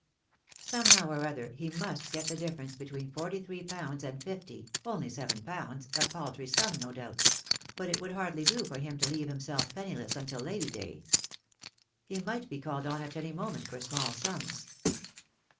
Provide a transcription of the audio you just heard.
Somehow or other he must get the difference be tween forty three pounds and fifty, only seven pounds, a paltry sum, no doubt; but it would hardly do for him to leave himself penniless until Lady Day. He might be called on at any moment for small sums.